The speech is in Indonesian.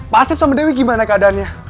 pak asep sama dewi gimana keadaannya